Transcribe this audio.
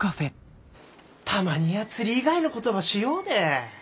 たまには釣り以外のことばしようで？